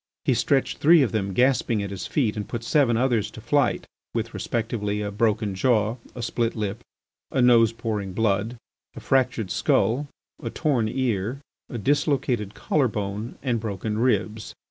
He stretched three of them gasping at his feet and put seven others to flight, with, respectively, a broken jaw, a split lip, a nose pouring blood, a fractured skull, a torn ear, a dislocated collar bone, and broken ribs.